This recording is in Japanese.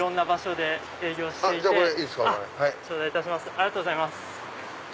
ありがとうございます。